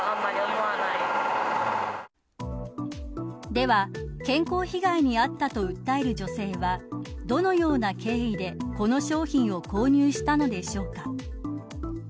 では、健康被害に遭ったと訴える女性はどのような経緯でこの商品を購入したのでしょうか。